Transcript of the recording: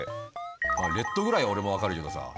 まあｒｅｄぐらい俺も分かるけどさ。